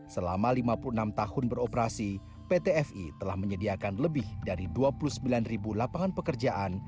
selama lima puluh enam tahun beroperasi pt fi telah menyediakan lebih dari dua puluh sembilan lapangan pekerjaan